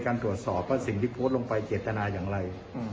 การสอบตั้งสิ่งที่โอร์ดลงไปเจตนาอย่างไร